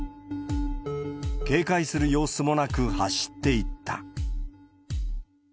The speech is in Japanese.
警戒する様子もなく走っていった。